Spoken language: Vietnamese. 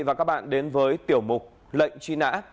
và các bạn đến với tiểu mục lệnh truy nã